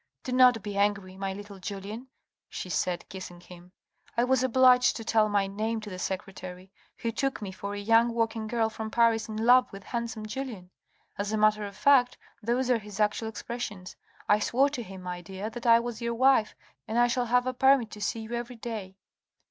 " Do not be angry, my little Julien," she said, kissing him. " I was obliged to tell my name to the secretary, who took me for a young working girl from Paris in love with handsome Julien. As a matter of fact those are his actual expressions. I swore to him, my dear, that I was your wife, and I shall have a permit to see you every day."